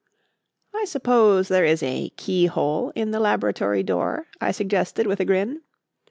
"I suppose there is a keyhole in the laboratory door?" I suggested, with a grin.